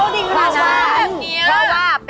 สวัสดีครับ